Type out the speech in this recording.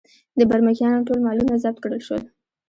د برمکیانو ټول مالونه ضبط کړل شول.